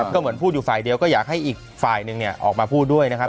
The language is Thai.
ก็เหมือนพูดอยู่ฝ่ายเดียวก็อยากให้อีกฝ่ายหนึ่งออกมาพูดด้วยนะครับ